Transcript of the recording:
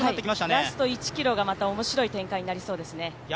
ラスト１ｋｍが、また面白い展開になりそうですね。